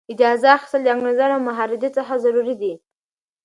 اجازه اخیستل د انګریزانو او مهاراجا څخه ضروري دي.